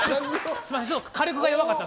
すみません。